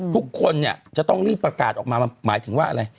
ทุกคนเนี่ยจะต้องรีบประกาศออกมาหมายถึงว่าอะไร